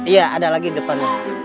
iya ada lagi di depan